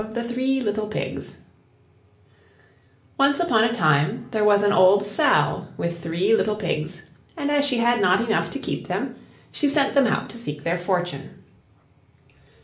THE THREE LITTLE PIGS Once upon a time there was an old Sow with three little Pigs, and as she had not enough to keep them, she sent them out to seek their fortune.